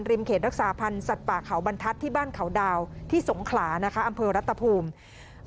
เขตรักษาพันธ์สัตว์ป่าเขาบรรทัศน์ที่บ้านเขาดาวที่สงขลานะคะอำเภอรัฐภูมิ